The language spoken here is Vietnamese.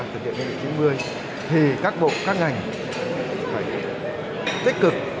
thực hiện nhiệm vụ chín mươi thì các bộ các ngành phải tích cực